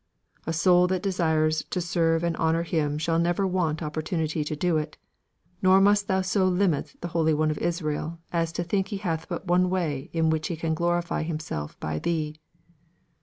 A soul that desires to serve and honour Him shall never want opportunity to do it; nor must thou so limit the Holy One of Israel, as to think He hath but one way in which He can glorify Himself by thee.